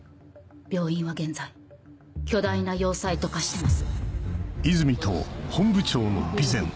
病院は現在巨大な要塞と化してます。